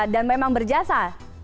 dan memang berjasa